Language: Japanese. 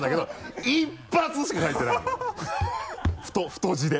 太字で。